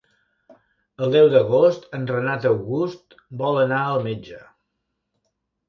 El deu d'agost en Renat August vol anar al metge.